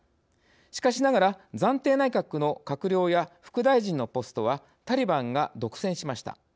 しかしながら暫定内閣の閣僚や副大臣のポストはタリバンが独占しました。